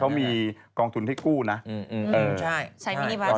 เขามีกองทุนให้กู้นะใช่ใช้มินิบัส